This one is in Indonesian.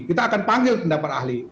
kita akan panggil pendapat ahli